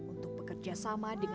untuk bekerja sama dengan